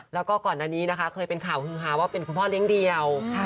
แล้วก็ก่อนอันนี้นะคะเคยเป็นข่าวฮือฮาว่าเป็นคุณพ่อเลี้ยงเดี่ยว